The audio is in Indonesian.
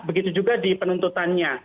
begitu juga di penuntutannya